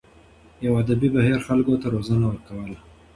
یوه ادبي بهیر خلکو ته روزنه ورکوله.